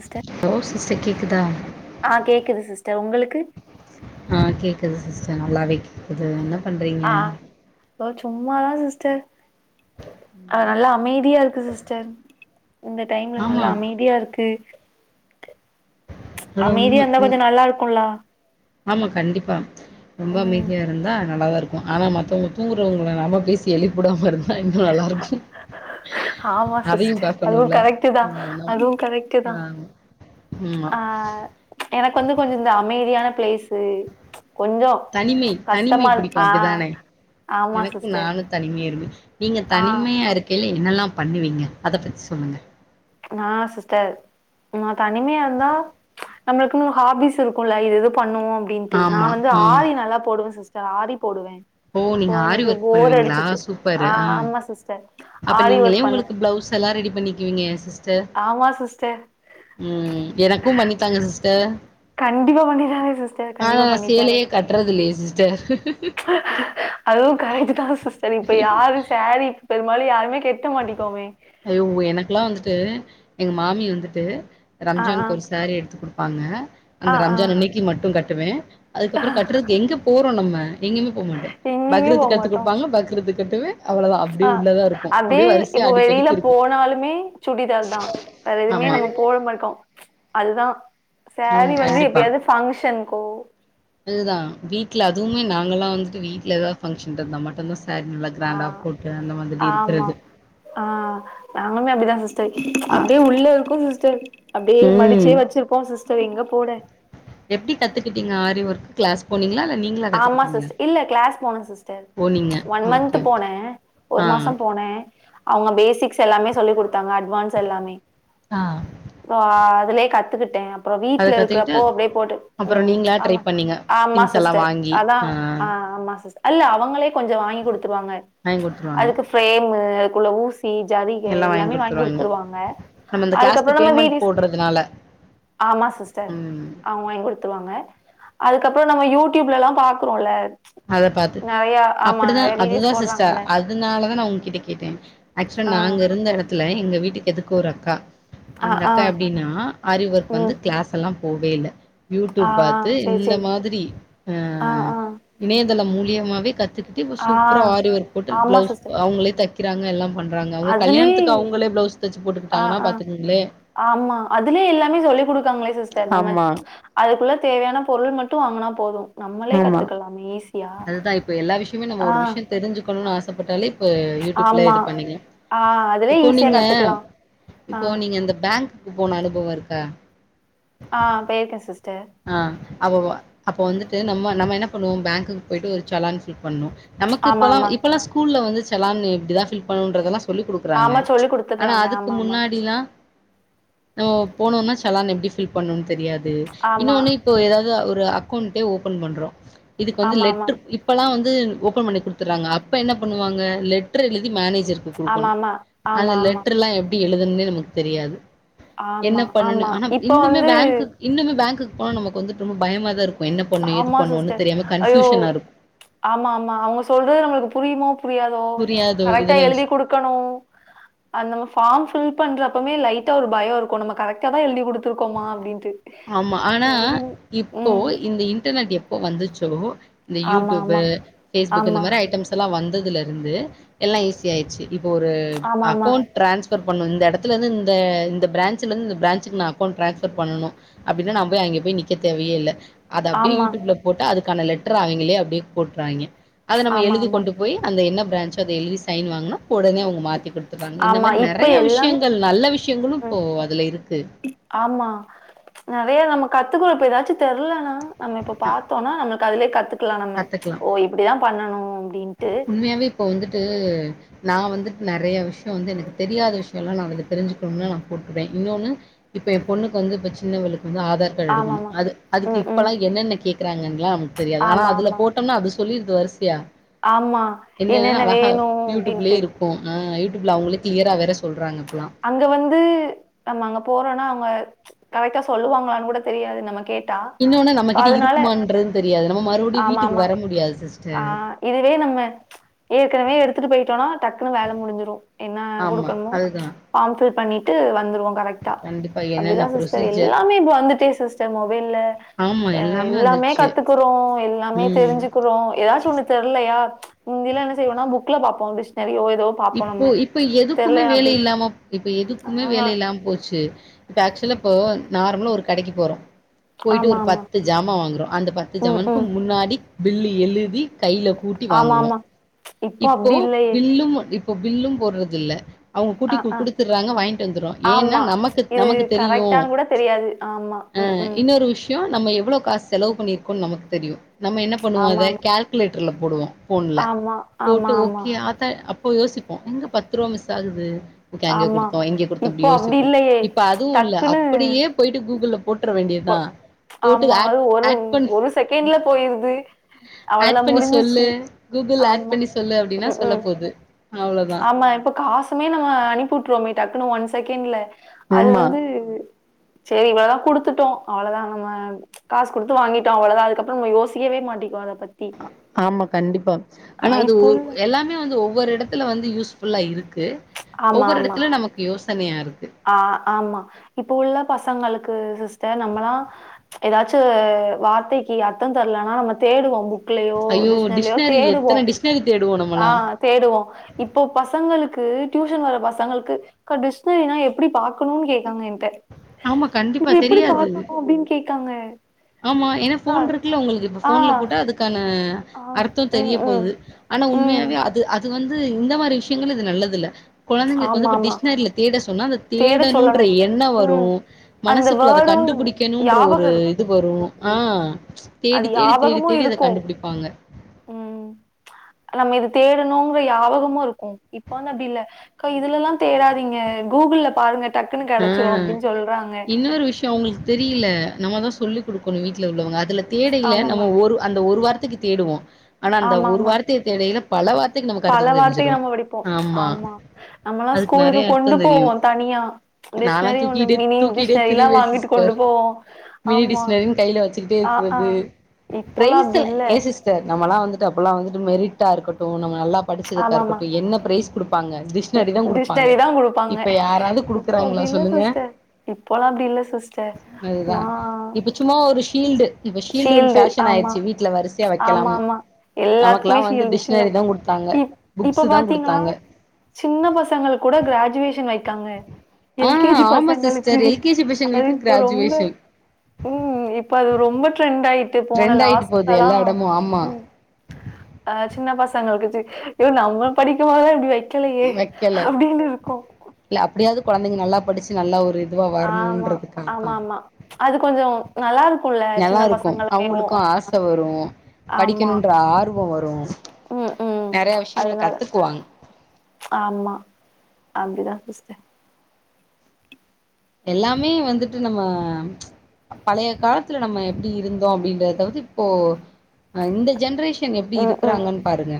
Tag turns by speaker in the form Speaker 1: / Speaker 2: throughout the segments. Speaker 1: Sister
Speaker 2: hello sister கேக்குதா
Speaker 1: ஆ கேக்குது சிஸ்டர் உங்களுக்கு
Speaker 2: ஆ கேக்குது சிஸ்டர் நல்லாவே கேக்குது என்ன பண்றீங்க
Speaker 1: ஆ சும்மா தா சிஸ்டர் ஆ நல்லா அமைதியா இருக்கு சிஸ்டர் இந்த டைம்ல
Speaker 2: ஆமா
Speaker 1: நல்லா அமைதியா இருக்கு
Speaker 2: அது
Speaker 1: அமைதியா
Speaker 2: உண்ம
Speaker 1: இருந்தா
Speaker 2: ம்
Speaker 1: கொஞ்ச நல்லா இருக்கும்லா
Speaker 2: ஆமா கண்டிப்பா ரொம்ப
Speaker 1: ம்
Speaker 2: அமைதியா இருந்தா நல்லாதா இருக்கு ஆனா மத்தவங்க தூங்கறவங்கள நம்ம பேசி எழுப்புடாம இருந்தா இன்னு நல்லாருக்கு
Speaker 1: ஆமா
Speaker 2: அதையு
Speaker 1: சிஸ்டர் அதுவு
Speaker 2: பாக்கணுல
Speaker 1: கரெக்ட் தா
Speaker 2: ஆமா
Speaker 1: அதுவு கரெக்ட் தா
Speaker 2: ஆ ம்
Speaker 1: ஆ எனக்கு வந்து கொஞ்ச இந்த அமைதியான பிளேஸு கொஞ்ச
Speaker 2: தனிமை தனிமை புடிக்கு அப்டிதானே
Speaker 1: ஆமா
Speaker 2: எனக்கு
Speaker 1: சிஸ்டர்
Speaker 2: நானு தனிமை இருவ நீங்க
Speaker 1: ஆ
Speaker 2: தனிமையா இருக் கேளே என்னெல்லா பண்ணுவீங்க அத பத்தி சொல்லுங்க
Speaker 1: நா சிஸ்டர் நம்ம தனிமையா இருந்தா நம்மளுக்குன்னு ஹாபிஸ் இருக்குல்ல இது இது பண்ணுவோம் அப்டின்ட்டு நா
Speaker 2: ஆமா
Speaker 1: வந்து
Speaker 2: ம்
Speaker 1: ஆரி நல்லா போடுவ சிஸ்டர் ஆரி போடுவே
Speaker 2: ஓ நீங்க
Speaker 1: இப்ப
Speaker 2: ஆரி
Speaker 1: எனக்கு
Speaker 2: ஒர்க்
Speaker 1: போர்
Speaker 2: பண்ணுவீங்களா
Speaker 1: அடிச்சிச்சு ஆ
Speaker 2: சூப்பரு
Speaker 1: ஆமா சிஸ்டர்
Speaker 2: அப்ப
Speaker 1: ஆரி
Speaker 2: நீங்களே
Speaker 1: ஒர்க் பண்ணுவே
Speaker 2: உங்களுக்கு பிளவுஸ் எல்லா ரெடி பண்ணிக்குவீங்க சிஸ்டர்
Speaker 1: ஆமா சிஸ்டர்
Speaker 2: ம் எனக்கும் பண்ணித்தாங்க சிஸ்டர்
Speaker 1: கண்டிப்பா பண்ணித்தரே சிஸ்டர்
Speaker 2: ஆனா
Speaker 1: கண்டிப்பா
Speaker 2: நா
Speaker 1: பண்ணித்தரே
Speaker 2: சேலையே கட்றது இல்லையே சிஸ்டர்
Speaker 1: அதுவு கரெக்ட்டு தா சிஸ்டர் இப்ப யாரு சேரி பெரும்பாலு யாருமே கெட்ட மாட்டிக்கோமே
Speaker 2: ஐயோ எனக்குல்லா வந்துட்டு எங்க மாமி வந்துட்டு
Speaker 1: ஆ ஆ
Speaker 2: ரம்ஜானுக்கு ஒரு சேரி எடுத்து குடுப்பாங்க அந்த
Speaker 1: ஆ ஆ
Speaker 2: ரம்ஜான் அன்னைக்கி மட்டும் கட்டுவே அதுக்கப்பற கட்டுறது எங்க போறோ நம்ம எங்கயுமே போ மாட்டே
Speaker 1: எங்கேயுமே போ
Speaker 2: பக்ரதக்கு எத்து
Speaker 1: மாட்டோ
Speaker 2: கொடுப்பாங்க பக்ரதுக்கு எப்பமே அவ்வளவுதா அப்டியே உள்ளதா இருக்கு
Speaker 1: அதே
Speaker 2: அப்டியே வரிசையா
Speaker 1: இப்போ வெளியில
Speaker 2: அடிக்கடிக்கு இருக்கு
Speaker 1: போனாலுமே சுடிதார் தா வேற எதுவுமே
Speaker 2: ஆமா
Speaker 1: நம்ம போட மாட்டங்கோ அதுதா
Speaker 2: ஆமா
Speaker 1: சேரீ வந்து எப்டியாவது பங்க்ஷனுக்கோ
Speaker 2: அதுதா வீட்ல அதுமே நாங்கல்லா வந்துட்டு வீட்ல எதாவ ப்ங்க்ஷன் இருந்தா மட்டுதா சேரீ நல்லா
Speaker 1: ஆ
Speaker 2: கிராண்டா போட்டு அந்த மாதிரி
Speaker 1: ஆமா
Speaker 2: இருக்கறது
Speaker 1: ஆ நாங்கமே அப்டிதா சிஸ்டர்
Speaker 2: ஆ
Speaker 1: அப்டியே உள்ள இருக்கு சிஸ்டர் அப்டியே
Speaker 2: ம்
Speaker 1: மடிச்சே வச்சிருப்போ சிஸ்டர் எங்க போட
Speaker 2: எப்டி கத்துக்கிட்டீங்க ஆரி ஒர்க் கிளாஸ் போனீங்களா இல்ல நீங்க
Speaker 1: ஆமா சிஸ் இல்ல கிளாஸ் போனோ சிஸ்டர்
Speaker 2: போனீங்க
Speaker 1: ஒன் மன்த்
Speaker 2: ஓகே ஓகே
Speaker 1: போனே
Speaker 2: ஆ
Speaker 1: ஒரு மாசோ போனே அவங்க பேசிக்ஸ் எல்லாமே சொல்லி் குடுத்தாங்க அட்வான்ஸ் எல்லாமே
Speaker 2: ஆ
Speaker 1: ஓ அதுலயே கத்துக்கிட்டே அப்றோ
Speaker 2: அத
Speaker 1: வீட்டுல
Speaker 2: கத்துக்கிட்டு
Speaker 1: இருக்கிறப்போ அப்டியே போட்டு
Speaker 2: அப்புறோ
Speaker 1: ம்
Speaker 2: நீங்களா ட்ரை
Speaker 1: ஆமா
Speaker 2: பண்ணீங்க
Speaker 1: ஆமா
Speaker 2: திங்ஸ் எல்லா
Speaker 1: சிஸ்டர்
Speaker 2: வாங்கி
Speaker 1: அதா ஆ ஆமா சிஸ் இல்ல அவங்களே கொஞ்ச வாங்கி குடுத்துருவாங்க
Speaker 2: வாங்கிகுடுத்துருவாங்க
Speaker 1: பேமுக்குள்ள ஊஸ் த்தி ஜரிகே எல்லாமே வாங்கி குடுத்துருவாங்க
Speaker 2: நம்ம இந்த கிளாஸ்க்கு
Speaker 1: அதுக்கப்பறம் நம்ம
Speaker 2: பேமெண்ட்
Speaker 1: வீதிஸ்
Speaker 2: போடுறதுனால
Speaker 1: ஆமா சிஸ்டர்
Speaker 2: ம்
Speaker 1: அவுங்க வாங்கி குடுத்துருவாங்க அதுக்கப்பற நம்ம யூடியூப்லல்லா பாக்குறோல
Speaker 2: அத பாத்து அப்டிதா
Speaker 1: வீடியோஸ்
Speaker 2: அதுதா சிஸ்டர்
Speaker 1: போடுறாங்கல்ல
Speaker 2: ஆ அதனாலதா நா உங்க கிட்ட கேட்டே ஆக்சுவலா
Speaker 1: ஆ
Speaker 2: நாங்க இருந்த இடத்துல எங்க வீட்டுக்கு எதுக்கு ஒரு அக்கா
Speaker 1: ஆ
Speaker 2: அந்த
Speaker 1: ஆ
Speaker 2: அக்கா எப்படின்னா ஆரி ஒர்க்
Speaker 1: ம்
Speaker 2: வந்து கிளாஸ் எல்லா போவே இல்ல
Speaker 1: ஆ
Speaker 2: யூடியூப்
Speaker 1: ஆ
Speaker 2: பாத்து
Speaker 1: சேரி
Speaker 2: இந்த
Speaker 1: சேரி
Speaker 2: மாரி ஆ இணையதள மூலியமாவே கத்துக்கிட் இப்ப
Speaker 1: ஆ
Speaker 2: சூப்பரா ஆரி போட்டு
Speaker 1: ஆமா
Speaker 2: பிளவுஸ்
Speaker 1: சிஸ்டர்
Speaker 2: அவங்களே தக்கிறாங்க எல்லாம் பண் றாங்க அவங்க
Speaker 1: அதுலயே
Speaker 2: கல்யாணத்துக்கு அவங்களே பிளஸ் தைச்சு
Speaker 1: ஆ
Speaker 2: போட்டுக்கிட்டாங்கன்னா
Speaker 1: ஆ
Speaker 2: பாத்துக்கங்களே
Speaker 1: ஆமா அதுலயே எல்லாமே சொல்லிக் கொடுக்காங்களே சிஸ்டர் நம்ம
Speaker 2: ஆமா
Speaker 1: ச்சி அதுக்குள்ள தேவையான பொருள் மட்டு வாங்குனா போது நம்மளே
Speaker 2: ஆமா
Speaker 1: கத்துக்கலாமே ஈஸியா
Speaker 2: அதுதா இப்ப எல்லா விஷயமே நம்ம
Speaker 1: ஆ
Speaker 2: ஒரு விஷயம் தெரிஞ்சுக்கணும்னு ஆசப்பட்டாலே இப்ப யூடியூப்ல
Speaker 1: ஆமா
Speaker 2: இது பண்ணீங்க
Speaker 1: ஆ அதுலயே
Speaker 2: இப்போ
Speaker 1: ஈஸியா
Speaker 2: நீங்க
Speaker 1: கத்துக்கலா ஆ
Speaker 2: இப்போ நீங்க இந்த பேங்க் போன அனுபவம் இருக்கா
Speaker 1: ஆ பேயிருக்கே சிஸ்டர்
Speaker 2: ஆ அவ அப்ப வந்துட்டு நம்ம நம்ம என்ன பண்ணுவோம் பேங்க்குக்கு போயிட்டு ஒரு சலான்னு ஃபில் பண்ணு நமக்கு
Speaker 1: ஆமா
Speaker 2: இப்பெல்லா
Speaker 1: ஆமா
Speaker 2: இப்பெல்லா ஸ்கூல்ல வந்து செலான்னு இப்படிதா ஃபில் பண்ணுன்றதெல்லா சொல்லி் குடுக்குறாங்க
Speaker 1: ஆமா சொல்லி்
Speaker 2: ஆனா
Speaker 1: குடுத்துடுறாங்க
Speaker 2: அதுக்கு
Speaker 1: ஆமா
Speaker 2: முன்னாடிலா நம்ம போனுன்னா செலான் எப்டி ஃபில் பண்ணுன் தெரியாது
Speaker 1: ஆமா
Speaker 2: இன்னோன்னு இப்ப ஏதாவுது ஒரு அக்கவுண்டே ஓபன் பண்றோ இதுக்கு
Speaker 1: ஆமா
Speaker 2: வந்து
Speaker 1: ஆமா
Speaker 2: லெட்டுரு ப் இப்பலா வந்து ஓபன் பண்ணி குடுத்தர்றாங்க அப்ப என்ன பண்ணுவாங்க லெட்ர்ரெழுதி மேனேஜருக்கு குடுக்கணு
Speaker 1: ஆமா ஆமா ஆமா
Speaker 2: அந்த
Speaker 1: ஆமா ஆமா
Speaker 2: லெட்ர்ரலா எப்டி எழுதனுனே நமக்கு தெரியாது
Speaker 1: ஆமா
Speaker 2: என்ன பன்னனு
Speaker 1: ஆமா
Speaker 2: ஆனா
Speaker 1: இப்ப
Speaker 2: இன்னுமே
Speaker 1: வந்து
Speaker 2: பேங்க்குக் இன்னுமே பேங்குக்கு போனா நமக்கு வந்துட்டு ரொம்ப பயமாதாருக்கு என்ன பண்ணு ஏது
Speaker 1: ஆமா
Speaker 2: பண்ணுன்னு
Speaker 1: சிஸ்டர்.
Speaker 2: தெரியாம
Speaker 1: ஐயோ!
Speaker 2: கன்ஃபியூஷனாருக்
Speaker 1: ஆமா ஆமா அவுங்க சொல்றது நம்முளுக்கு புரியுமோ புரியாதோ
Speaker 2: புரியாதோ
Speaker 1: கரெக்ட்டா
Speaker 2: இதெல்லா
Speaker 1: எழுதி
Speaker 2: யூஸ்
Speaker 1: குடுக் கணு அந்த நம் ஃபாம் பில் பண்றப்பமே லைட்டா ஒரு பயருக்கு நம்ம கரெக்ட் டாதா எழுதி குடுத்துருக்கோமா அப்டின்ட்டு
Speaker 2: ஆமா. ஆனா,
Speaker 1: எனக்கு
Speaker 2: இப்போ
Speaker 1: ம்
Speaker 2: இந்த இன்டர்நெட் எப்ப வந்துச்சோ இந்த
Speaker 1: ஆமா,
Speaker 2: யூட்டியூபு
Speaker 1: ஆமா.
Speaker 2: பேஸ்புக்கு இந்த
Speaker 1: ஆமா.
Speaker 2: மாரி ஐட்டம்ஸ் லா வந்ததுலருந்து எல்லா ஈஸியாயிருச்சி இப்ப ஒரு
Speaker 1: ஆமாமா.
Speaker 2: அக்கவுண்ட் டிரான்ஸ்பர் பண்ணு இந்த எடத்துலந்து இந்த ப்ரான்ஞ்ச்லந்து இந்த ப்ரான்ஞ்ச்சுக்கு நா அக்கவுண்ட் ட்ரான்ஸ்பர் பண்ணணு அப்படினா நா போய் அங்க போய் நிக்க தேவயேல்ல அத அப்டியே
Speaker 1: ஆமா.
Speaker 2: யூட்யூப்ல போட்டா அதுக்கான லெட்ர அவிங்களே அப்டியே போட்றாங்க அத நம்ம எழுதி
Speaker 1: ஆமாமா.
Speaker 2: கொண்டு போய் அந்த என்ன ப்ரான்ஞ்ச்சோ அத எழுதி ஸைன் வாங்னா ஒடனே அவுங்க மாத்தி குடுத்த றாங்க இந்த
Speaker 1: ஆமா.
Speaker 2: மாரி
Speaker 1: இப்ப
Speaker 2: நெறைய
Speaker 1: எல்லாமே
Speaker 2: விஷயங்கள் நல்ல விஷயங்களு இப்போ
Speaker 1: ம்.
Speaker 2: அதுல இருக்கு
Speaker 1: ஆமா ம்ச் நெறைய நம்ம கத்துக்கொடுப்போ ஏதாச்சு தெரிலனா நம்ம இப்ப
Speaker 2: அ
Speaker 1: பாத்தோனா நம்முளுக் அதுலேயே கத்துக்கலா நம்ம
Speaker 2: கத்துக்கலாம்.
Speaker 1: ஓ இப்டிதா பண்ணணு அப்டின்ட்டு
Speaker 2: உண்மையாவே இப்போ வந்துட்டு நா வந்துட்டு நெறைய விஷியோ வந்து எனக்கு தெரியாத விஷயல்லா நா அதுல தெரிஞ்சுக்கணும்னா நா போட்ருவே இன்னோன்னு இப்ப எம்பொண்ணுக்கு வந்து இப்ப சின்னவளுக்கு வந்து ஆதார் கார்டு எடுக்கனு
Speaker 1: ஆமாமா.
Speaker 2: அது
Speaker 1: ம், ம்.
Speaker 2: அதுக்கிப்பல்லா என்னன்ன கேக்குறாங்கன்லா நமக்கு தெரியாது ஆனா
Speaker 1: ஆமா,
Speaker 2: அது
Speaker 1: ஆமா.
Speaker 2: போட்டம்னா அது சொல்லிருது வருசையா
Speaker 1: ஆமா.
Speaker 2: என்னனு
Speaker 1: என்னென்ன
Speaker 2: அழகா
Speaker 1: வேணும் அப்டின்ட்டு.
Speaker 2: யூட்டூப்லேயேருக்கு கு ஆ யூட்டூயூப்ல அவுங்களே க்ளியரா வேற சொல்றாங்கப்லா
Speaker 1: அங்க வந்து நம்ம அங்க போறோனா அவுங்க ம்ச் கரெக்ட்டா சொல்லுவாங்களான்னு கூட தெரியாது நம்மக்கே
Speaker 2: இன்னோனு நம்மக்கிட்ட இருக்குமான்றது தெரியாது நம்ம மறுபடியு வீட்டுக்கு
Speaker 1: ஆமாமா.
Speaker 2: வர முடியாது
Speaker 1: ஆ
Speaker 2: சிஸ்டர்
Speaker 1: இதுவே நம்ம ம்ச் ஏற்கனவே எடுத்துட்டு போயிட்டோனா டக்குனு வேல முடிஞ்சுரு என்னா
Speaker 2: ஆமா.
Speaker 1: குடுக்கணுமோ
Speaker 2: அதுதான்.
Speaker 1: ஃபாம் ஃபில் பண்ணிட்டு வந்துருவோ கரெக்ட் டா
Speaker 2: கண்டிப்பா
Speaker 1: அப்டிதா
Speaker 2: என்னென்ன
Speaker 1: சிஸ்டர்
Speaker 2: ப்ரொசீஜர்
Speaker 1: எல்லாமே இப்ப வந்துச்சே சிஸ்டர் மொபைல்ல
Speaker 2: ஆமா
Speaker 1: எல்லாமே
Speaker 2: வந்துருச்சு.
Speaker 1: கத்துக்குறோ எல்லாமே
Speaker 2: ம்.
Speaker 1: தெரிஞ்சிக்குறோ ஏதாச்சொன்னு தெரிலையா ம்ச் முந்திலா என்ன செய்வோனா புக்ல பாப்போ டிக்ஸனரியோ எதோ
Speaker 2: இப்போ இப்ப எதுக்குமே வேல இல்லாமா போ இப்ப எதுக்குமே
Speaker 1: ஆஹா
Speaker 2: வேல இல்லாம போச்சு இப்ப ஆக்சுவலாப்போ நார்மலா ஒரு கடைக்கு போறோ போயிட்டு
Speaker 1: ஆமா
Speaker 2: ஒரு
Speaker 1: ஆமா
Speaker 2: பத்து ஜாமா வாங்குறோ அந்த பத்து
Speaker 1: ம்
Speaker 2: ஜாமனுக்கு
Speaker 1: ம்
Speaker 2: முன்னாடி பில்லு எழுதி கைல குட்
Speaker 1: ஆமாமா
Speaker 2: இப்போ பில்லும் இப்ப பில்லும் போட்றதில்ல அவுங்க கூட்டி
Speaker 1: ஆ
Speaker 2: கு
Speaker 1: ஆ
Speaker 2: குடுத்துர்றாங்க வாங்கிட்டு வந்துர்றோ ஏன்னா
Speaker 1: ஆமா.
Speaker 2: நமக்குத்
Speaker 1: இது
Speaker 2: நமக்குத் தெரியு
Speaker 1: கரெக்ட்டான்னு கூட தெரியாது. ஆமா.
Speaker 2: அ
Speaker 1: ம்.
Speaker 2: இன்னொரு விஷி யா நம்ம எவ்ளோ காசு செலவு பண்ணிருக்கோ நமக்குத்தெரியு நம்ம என்ன பண்ணுவோ அத
Speaker 1: ஆமாமா.
Speaker 2: கால்குலேட்டர்ல போடுவோ ஃபோன்ல
Speaker 1: ஆமா
Speaker 2: போட்டு
Speaker 1: ஆமா, ஆமா, ஆமா.
Speaker 2: ஓக்கே ஆத்தா அப்போ யோசிப்போ எங்க பத்து ருவா மிஸ்ஸாகுது க்க
Speaker 1: ஆமா
Speaker 2: அங்க
Speaker 1: ஆமா.
Speaker 2: குடுத்தோ இங்க குடுத்தோ
Speaker 1: இப்போ
Speaker 2: அப்பிடியே
Speaker 1: அப்டி
Speaker 2: யோசிச்சு
Speaker 1: இல்லையே!
Speaker 2: இப்ப அதுல்ல
Speaker 1: டக்குன்னு
Speaker 2: அப்படியே போயிட்டு கூகுள்ள போட்ற
Speaker 1: பொ
Speaker 2: வேண்டியதா போட்டு் ஆட் ஆட் பன்
Speaker 1: செக்கெண்டுல போயிருது அவ்ளத
Speaker 2: ஆட் பண்ணி
Speaker 1: முடிஞ்சிச்சி
Speaker 2: சொல்லு கூகுள் ஆட்
Speaker 1: ஆமா
Speaker 2: பண்ணி சொல்லு அப்டின்னா
Speaker 1: ம்
Speaker 2: சொல்ல
Speaker 1: ம்
Speaker 2: போது அவ்ளோதா
Speaker 1: ஆமா இப்ப காஸ் மே நம்ம அனுப்பிட்டுருவோமே டக்குனு ஒன் செகண்ட்ல அது
Speaker 2: ஆமா
Speaker 1: வந்து சேரி இவ்வளதா குடுத் துட்டோ அவ்ளோதா நம்ம காச குடுத்து வாங்கிட்டோ அவ்ளோதா அதுக்கப்பறோ யோசிக்கவே மாட்க்றோ அத பத்தி
Speaker 2: ஆமா கண்டிப்பா
Speaker 1: அ
Speaker 2: ஆனா அது
Speaker 1: இப்போ
Speaker 2: ஒர்
Speaker 1: உள்ள
Speaker 2: எல்லாமே வந்து ஒவ்வொரு எடத் டத்துல வந்து யூஸ்புல்லா இருக்கு
Speaker 1: ஆமா,
Speaker 2: ஒவ்வொரு
Speaker 1: ஆமா.
Speaker 2: எடத்துலு நமக்கு யோசனயா இருக்கு
Speaker 1: ஆ ஆமா இப்ப உள்ள பசங்களுக்கு சிஸ்டர் நம்மளா ஏதாச்சூ வார்த்தைக்கி அர்த்த தெர்லனா நம்ம தேடுவோ புக் லியோ டிக்ஷ்ணரிலியோ தேடுவோ
Speaker 2: இப்ப எதுக்கு தேடுவோ நம்மலா
Speaker 1: தேடுவோ இப்போ பசங்களுக்கு டியூஷன் வர பசங்களுக்கு அக்கா டிக்ஷனரினா எப்டி பாக்கணூ கேக்காங்க என்ட்ட
Speaker 2: ஆமா
Speaker 1: இத
Speaker 2: கண்டிப்பா
Speaker 1: எப்டி
Speaker 2: தெரியாது
Speaker 1: பாக்கணு அப்டின் கேக்காங்க
Speaker 2: ஆமா ஏன்னா ஃபோன் இருக்குல்ல உங்களுக்கு இப்ப ஃபோன்ல போட்டா அதுக்கான
Speaker 1: ஆ,
Speaker 2: அர்த்தொ
Speaker 1: ம்,
Speaker 2: தெரிய
Speaker 1: ம்,
Speaker 2: போது ஆனா
Speaker 1: ம்.
Speaker 2: உண்மையாவே அது அது வந்து இந்த மாரி விஷயங்கள்ல இது நல்லதில்ல குழந்தைங்களுக்கு
Speaker 1: ஆமா,
Speaker 2: வந்து
Speaker 1: ஆமா.
Speaker 2: டிக்ஷனரில தேட சொன்னா அத
Speaker 1: தேட
Speaker 2: தேடணுன்ற
Speaker 1: சொல்லணும்.
Speaker 2: எண்ண வரூ
Speaker 1: ம். அந்த
Speaker 2: மனசுக்குள்ள அத
Speaker 1: வேர்டும்
Speaker 2: கண்டுபிடிக்கணூன்ற ஒரு
Speaker 1: ஞாபகம்
Speaker 2: இது
Speaker 1: இருக்கும்.
Speaker 2: வரூ
Speaker 1: ம், ம்.
Speaker 2: ஆ
Speaker 1: அது
Speaker 2: தேடி தேடி தேடி
Speaker 1: ஞாபகமு
Speaker 2: தேடி அத
Speaker 1: இருக்கு
Speaker 2: கண்டுபிடிப்பாங்க
Speaker 1: ம் நம்ம இது தேடணுங்ற யாபகமூம் இருக்கோ இப்வந் அப்டில்ல கா இதுலல்லா தேடாதிங்க கூகுள்ல பாருங்க டக்குன்னு கெடச்சுடும் அப்டின் சொல்றாங்க
Speaker 2: அவுங்களுக்கு தெரியில நம்ம தா சொல்லிக் குடுக்கணூ வீட்ல உள்ளவங்க அதுல தேடயில
Speaker 1: ஆமாமா
Speaker 2: நம்ம ஒரு அந்த ஒரு வார்த்தக்கி தேடுவோ ஆனா அந்த
Speaker 1: ஆமா
Speaker 2: ஒரு
Speaker 1: ஆமா
Speaker 2: வார்த்தய தேடயில்ல பல வார்த்தைக்கு நமக்கு அர்த்தோ
Speaker 1: பல
Speaker 2: தெரிஞ்சிடூ ஆமா
Speaker 1: நம்மளா
Speaker 2: அதுக்கு
Speaker 1: ஸ்கூலூக்கு
Speaker 2: நெறைய
Speaker 1: கொண்டு
Speaker 2: அர்த்தம்
Speaker 1: போவோ
Speaker 2: தெரியும்
Speaker 1: தனியா
Speaker 2: நாலா
Speaker 1: டிக்ஷனரி ஒ
Speaker 2: தூக்கிட்டே
Speaker 1: மினி
Speaker 2: தூக்கிட்டே
Speaker 1: டிக்ஷனரில்லா
Speaker 2: திரிவேன்
Speaker 1: வாங்கிட்டு கொண்டு
Speaker 2: சிஸ்டர்
Speaker 1: போவோ ஆமா
Speaker 2: சிரிச்சிகிட்டே
Speaker 1: ஆ ஆ
Speaker 2: இருக்கிறது
Speaker 1: இப்போல்லா அப்டி
Speaker 2: பிரைஸ்ல
Speaker 1: இல்ல
Speaker 2: ஏ சிஸ் சிஸ்டர் நம்மளா வந்துட்டு அப்பல்லா வந்துட்டு மெரிட்டாருக்கட்டூ நம்ம நல்லா
Speaker 1: ஆமாமா
Speaker 2: படிச்சதுக்காருக்கட்டூ என்ன பிரைஸ் குடுப் ப்பாங்க டிக்ஷனரிதா குடுப்பாங்க இப்ப யாராது குடுக்
Speaker 1: அப்டில்ல சிஸ்டர் இப்பளா அப்டில்ல சிஸ்டர்
Speaker 2: அதுதா
Speaker 1: வாங்
Speaker 2: இப்ப சும்மா ஒரு ஷீல்டு இப்ப ஷீல்டு ஒன்னு
Speaker 1: ஆமா
Speaker 2: ஃபேஷனாயிடுச்சு வீட்ல வரிசியா
Speaker 1: ஆமா
Speaker 2: வைக்கலாம்ன்னு
Speaker 1: ஆமா
Speaker 2: நமக்குல்லா
Speaker 1: எல்லாத்துக்குமே
Speaker 2: வந்து
Speaker 1: ஷீல்டு சின்ன
Speaker 2: ட்ஷ்னரி தா குடுத்தாங்க
Speaker 1: இப்
Speaker 2: புக்ஸ்
Speaker 1: இப்ப
Speaker 2: தா
Speaker 1: பாத்தீங்களா
Speaker 2: குடுத்தாங்க
Speaker 1: சின்ன பசங்களுக்கு கூட கிராஜுவேஷன் வெய்க்காங்க
Speaker 2: ஆ
Speaker 1: எல் கே ஜி
Speaker 2: ஆமா
Speaker 1: பசங்களுக்கு
Speaker 2: சிஸ்டர் எல் கே ஜி
Speaker 1: அதூப்
Speaker 2: பசங்களுக்கு
Speaker 1: இப்போ ரொம்ப
Speaker 2: கிராஜுவேஷன்
Speaker 1: ம் இப்ப அது ரொம்ப ட்ரெண்ட் ஆயிட்டு போன
Speaker 2: ட்ரெண்ட் ஆயிட்டு போகுது
Speaker 1: லாஸ்ட்லல்லா
Speaker 2: எல்லா எடமு ஆமா
Speaker 1: ம் அ சின்ன பசங்களுக்கு வெச் அய்யோ நம்ம படிக்கூ போத இப்டி வெக்கலயே
Speaker 2: வைக்கல
Speaker 1: அப்டின்னு இருக்கோ
Speaker 2: இல்ல அப்டியாவது குழந்தைங்க நல்லா படிச்சு நல்லா ஒரு இதுவா
Speaker 1: ஆமா.
Speaker 2: வரணும்ன்றதுக்காகத்தா
Speaker 1: ஆமாமா. அது கொஞ்சம் நல்லாருக்கும்ல
Speaker 2: நல்லா
Speaker 1: சின்ன
Speaker 2: ருக்கோ
Speaker 1: பசங்களுமேவும்.
Speaker 2: அவுங்களுக்கு ஆச வரூ
Speaker 1: ஆமா.
Speaker 2: படிக்கணுன்ற ஆர்வோவரூ
Speaker 1: ம், ம்.
Speaker 2: நெறய விஷயங்கள
Speaker 1: அதனால
Speaker 2: கத்துக்குவாங்க
Speaker 1: ஆமா அப்டிதா சிஸ்டர்
Speaker 2: எல்லாமே வந்துட்டு நம்ம பழைய காலத்துல நம்ம எப்டி இருந்தோ அப்டின்றதவூத்து இப்போ இந்த ஜென்ரேஷன் பசங்க எப்டி
Speaker 1: ம், ம்.
Speaker 2: இருக்கிறாங்கன் பாருங்க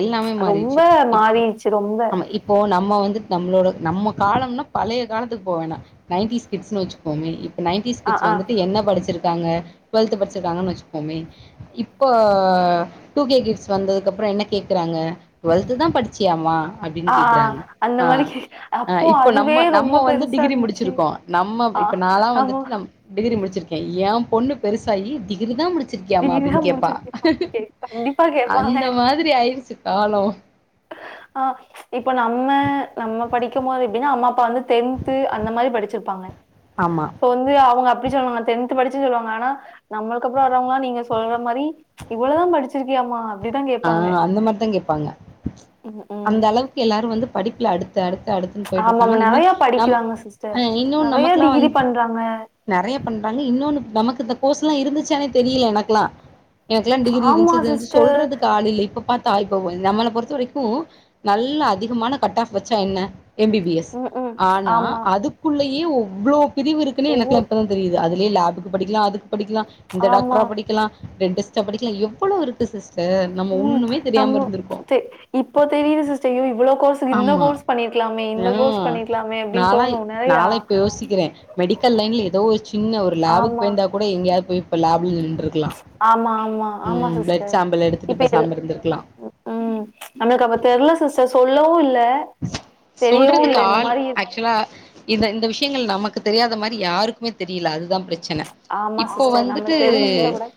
Speaker 2: எல்லாமே
Speaker 1: ரொம்ப
Speaker 2: மாறிச்சு இப்போ
Speaker 1: மாறிடுச்சு ரொம்ப.
Speaker 2: ஆமா இப் இப்போ நம்ம வந்து நம்மளோட நம்ம காலம்னா பழய காலத்துக்கு போவ்வேணா நைன்டீஸ் கிட்ஸ்ன்னு வச்சுப்போமே இப்ப நைன்டீஸ்
Speaker 1: அ,
Speaker 2: கிட்ஸ்
Speaker 1: ஆ.
Speaker 2: வந்துட்டு என்ன படிச்சிருக்காங்க டுவெல்த் படிச்சிர்க்காங்கன்னு வச்சுக்குவோமே இப்போ டூ கே கிட்ஸ் வந்ததுக்ப்றோ என்ன கேக்குறாங்க டுவெல்த் தா படிச் சியாமா
Speaker 1: ஆ,
Speaker 2: அப்டின்
Speaker 1: ஆ.
Speaker 2: கேக்குறாங்க
Speaker 1: அந்த
Speaker 2: ஆ
Speaker 1: மாரி
Speaker 2: ஆ
Speaker 1: அப்போ
Speaker 2: இப்போ
Speaker 1: அதுவே
Speaker 2: நம்ம
Speaker 1: ரொம்ப
Speaker 2: நம்ம வந்து
Speaker 1: பெருசா
Speaker 2: டிகிரி
Speaker 1: இருந்துச்சு.
Speaker 2: முடிச்சிருக் நம்ம
Speaker 1: ஆ
Speaker 2: இப்ப நானாலா
Speaker 1: ஆமா.
Speaker 2: வந்துட்டு நம் டிகிரி முடிச்சிருக்கே ஏ பொண்ணு பெருசாயி டிகிரி தா முடிச்
Speaker 1: "நீ
Speaker 2: சிரிக்கிறயாம்மா அப்டின்னு
Speaker 1: தான்
Speaker 2: கேப்பா
Speaker 1: முடிச்சிருக்கியா?" கேக் கண்டிப்பா கேப்பாங்க.
Speaker 2: அந்த மாரி ஆயிடிச்சி காலோ
Speaker 1: ஆ இப்ப நம்ம நம்ம படிக்குபோது எப்டினா அம்மா அப்பா வந்து டென்த்து அந்த மாரி படிச்சிருப்பாங்க
Speaker 2: ஆமா
Speaker 1: உன்மையா அவுங்க அப்டி சொல்லாங்க டென்த் படிச்சன்னு சொல்லுவாங்க ஆனா நம்ளுக்கு அப்ரோ வரவங்கங்ளா நீங்க சொல்ற மாரி இவ்ளோதா படிச்சிருக்கியாமா அப்டிதா
Speaker 2: ஆ
Speaker 1: கேப்பாங்க
Speaker 2: அந்த மாரிதா கேக்பாங்க
Speaker 1: ம் ம்
Speaker 2: அந்த அளவுக்கு எல்லாரு வந்து படிப்புல அடுத் அடுத்து அடுத்து அடுத்துன்னு போயிட்டு
Speaker 1: ஆமாமா
Speaker 2: இருக்காங்க இன்னு
Speaker 1: நெறைய
Speaker 2: நம்
Speaker 1: படிக்கிறாங்க சிஸ்டர்
Speaker 2: இன்னு
Speaker 1: நெறைய
Speaker 2: நமக்ககெல்லா
Speaker 1: டிகிரி
Speaker 2: வந்து
Speaker 1: பண்றாங்க
Speaker 2: நறைய பண்றாங்க இன்னொன்னு நமக்கு இந்த கோர்ஸ்ல்லா இருந்துச்சானே தெரியில எனக்லா எனக்கில்லா டிகிரி
Speaker 1: ஆமா
Speaker 2: இருந்துச்சி இது இருந்துச்சி
Speaker 1: சிஸ்டர்
Speaker 2: சொல்றது கால்யில்ல இப்ப பாத்தா இப்போ ஒ வ நம்மள பொறுத்த வரைக்கு நல்லா அதிகமான கட் ஆப் வச்சா என்ன எம் பி பி எஸ்
Speaker 1: ம் ம்
Speaker 2: ஆனா
Speaker 1: ஆமா
Speaker 2: அதுக் குள்ளயே ஒவ்ளோ பிரிவு இருக்குன்னு எனக்கிலா
Speaker 1: ஒவ்வொரு
Speaker 2: இப்பதா தெரிது அதுலயே லேப்புக்கு படிக்கிலா அதுக்கு படிக்கிலா இந்த
Speaker 1: ஆமா
Speaker 2: டாக்டரா படிக்கலா டென்டிஸ்ட்டா படிக்கலா எவ்ளோ இருக்கு சிஸ் த நம்ம
Speaker 1: ம்
Speaker 2: ஒன்னுமே
Speaker 1: நம்ம
Speaker 2: தெரியாம இருந்திருக்கோ
Speaker 1: தெ இப்போ தெரியுது சிஸ்டர் ஐயோ இவ்ளோ கோர்ஸ் இந்த
Speaker 2: ஆமா
Speaker 1: கோர்ஸ் பண்ணிக்கிலாமே
Speaker 2: ஆ
Speaker 1: இந்த கோர்ஸ் பண்ணிக்கிலாமே அப்டின்னு
Speaker 2: நாலா
Speaker 1: தோணு நறையா
Speaker 2: நாலா இப்ப யோசிக்கிறே மெடிக்கல் லைன்ல ஏதோ ஒரு சின்ன ஒரு லேபுக்கு
Speaker 1: ஆமா
Speaker 2: போயிருந்தா கூட எங்கேயாவது போய் இப்ப லேல நின்றுருக்கலா
Speaker 1: ஆமா ஆமா ஆமா
Speaker 2: ம் பிளட்
Speaker 1: சிஸ்டர்
Speaker 2: சாம்பிள் எடுத்துட்டு
Speaker 1: இப்ப
Speaker 2: பேசாம இருந்திருக்கலா
Speaker 1: [inaudible] உம் நமக்கு அப்போ தெர்ல சிஸ்டர் சொல்லவு இல்ல தெரியவு
Speaker 2: சொல்றதுக்கு
Speaker 1: இல்ல இந்த
Speaker 2: ஆள்
Speaker 1: மாரி
Speaker 2: ஆக்சுவலா இந்த இந்த விஷயங்கள் நமக்கு தெரியாத மாரி யாருக்குமே தெரியல அதுதா பிரச்சன
Speaker 1: ஆமா
Speaker 2: இப்போ
Speaker 1: சிஸ்டர் நம்ம
Speaker 2: வந்துட்டு
Speaker 1: தெரிஞ்சிருந்தா கூட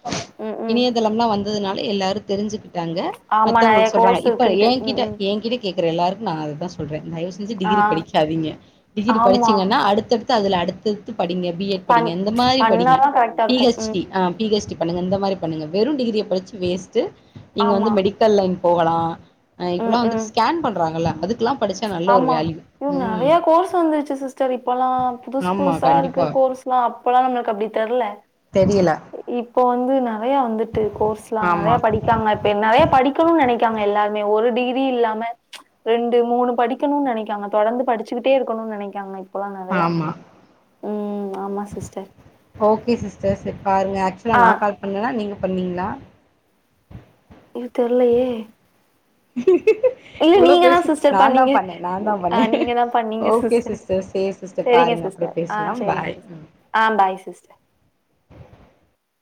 Speaker 1: ம் ம்
Speaker 2: இணையதளம் வந்ததுனால எல்லாரு தெரிஞ்சிக்கிட்டாங்க
Speaker 1: ஆமா நெறைய
Speaker 2: மத்தவங்களுக்கு சொல்றாங்க
Speaker 1: கோர்ஸ்
Speaker 2: இப்ப ஏ
Speaker 1: இருக்குன்ட்டு ம்
Speaker 2: கிட்ட
Speaker 1: ம்
Speaker 2: ஏ கிட்ட கேக்கற எல்லாருக்கு நா அததா சொல்றே தயவு செஞ்சி
Speaker 1: ஆ
Speaker 2: டிகிரி படிக்காதீங்க டிகிரி
Speaker 1: ஆமா
Speaker 2: படிச்சீங்கன்னா அடுத்தடு அதுல அடுத்தடுத்து படிங்க பி எட்
Speaker 1: பண்
Speaker 2: படிங்க இந்த மாரி படிங்க
Speaker 1: பண்ணாதா கரெக்டா
Speaker 2: பி
Speaker 1: இருக்கு
Speaker 2: எச்
Speaker 1: ம்
Speaker 2: டி ஆம் பி ஹெச் டி பண்ணுங்க இந்த மாரி பண்ணுங்க வெறு டிகிரிய படிச்சி வேஸ்ட் நீங்க வந்து
Speaker 1: ஆமா
Speaker 2: மெடி க்கல் லைன் போகலா அ இப்பல்லா
Speaker 1: ம் ம்
Speaker 2: வந்துட்டு ஸ்கேன் பண்றாங்கல அதுக்கெல்லா படிச்சா நல்ல ஒரு வேல்யூ
Speaker 1: உம்
Speaker 2: ம்
Speaker 1: நறைய கோர்ஸ் வந்துச்சி சிஸ்டர் இப்ப எல்லா புதுசு
Speaker 2: ஆமா
Speaker 1: புதுசா இருக்கு
Speaker 2: கண்டிப்பா
Speaker 1: கோர்ஸ்லா இப்பல்லா நம்மளுக்கு அப்டி தெர்ல
Speaker 2: தெரியல
Speaker 1: இப்போ வந்து நறையா வந்துட்டு கோர்ஸ்லா நறைய
Speaker 2: ஆமா
Speaker 1: படிக்காங்க நிறைய படிக்கணு நினைக்காங்க எல்லாருமே ஒரு டிகிரி இல்லாம ரெண்டு மூணு படிக்கனு நெனைக்காங்க தொடர்ந்து படிச்சிக்கிட்டே இருக்கனு நெனைக்காங்க இப்பலா நறையா
Speaker 2: ஆமா
Speaker 1: ம் ஆமா சிஸ்டர்
Speaker 2: ஓக்கே சிஸ்டர் செரி பாருங்க ஆக்சுலாக
Speaker 1: ஆ
Speaker 2: நா கால் பண்ணனா நீங்க பண்ணீங்ளா
Speaker 1: இது தெர்லயே இல்ல
Speaker 2: இவ்ளோ
Speaker 1: நீங்க தா
Speaker 2: பேச
Speaker 1: சிஸ்டர்
Speaker 2: நா தா
Speaker 1: பண்ணீங்க
Speaker 2: பண்ண நா தா பண்ண
Speaker 1: ஆ நீங்க தா பண்ணீங்க
Speaker 2: ஓக்கே சிஸ்டர் செஸ் சிஸ்டர்
Speaker 1: செரிங்க
Speaker 2: பாருங்க அப்புறோ
Speaker 1: சிஸ்டர் ஆ
Speaker 2: பேசலா
Speaker 1: செரிங்க
Speaker 2: பாய்
Speaker 1: சிஸ்டர்
Speaker 2: ம்
Speaker 1: ஆ பாய் சிஸ்ட